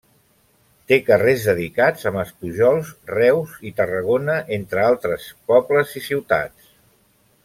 Té carrers dedicats a Maspujols, Reus i Tarragona, entre altres pobles i ciutats.